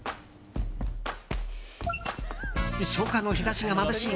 初夏の日差しがまぶしい